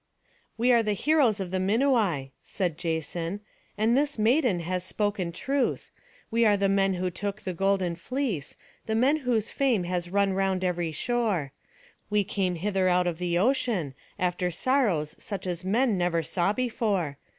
"We are the heroes of the Minuai," said Jason; "and this maiden has spoken truth. We are the men who took the golden fleece, the men whose fame has run round every shore. We came hither out of the ocean, after sorrows such as man never saw before.